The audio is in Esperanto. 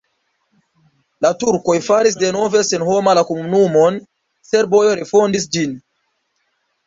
La turkoj faris denove senhoma la komunumon, serboj refondis ĝin.